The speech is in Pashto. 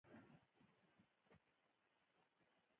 د زړونو ترمنځ واټن مهم نه دئ؛ خو چي زړونه سره وفادار يي.